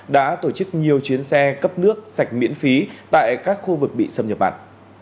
đã tổ chức nhiều chuyến xe cấp nước sạch miễn phí tại các khu vực bị xâm nhập mặn